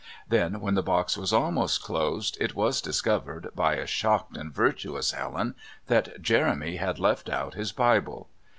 Then, when the box was almost closed, it was discovered by a shocked and virtuous Helen that Jeremy had left out his Bible.